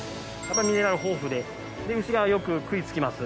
ミネラルが豊富で牛がよく食いつきます。